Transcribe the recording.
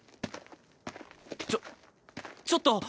ちょちょっと。